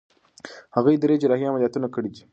هغې درې جراحي عملیاتونه کړي دي.